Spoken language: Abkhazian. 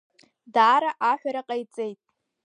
Даара аҳәара ҟаиҵеит.